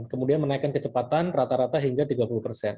kemudian menaikkan kecepatan rata rata hingga tiga puluh persen